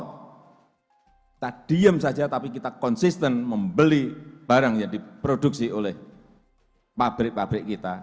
kita diem saja tapi kita konsisten membeli barang yang diproduksi oleh pabrik pabrik kita